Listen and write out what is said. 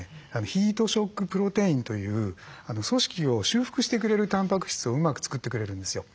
ヒートショックプロテインという組織を修復してくれるタンパク質をうまく作ってくれるんですよ。